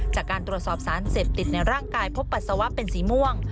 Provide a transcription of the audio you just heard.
จากการตรวจสอบสารเสพติดในร่างกายพบปัสสาวะเป็นสีม่วง